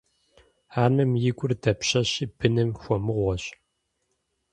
Анэм и гур дапщэщи быным хуэмыгъуэщ.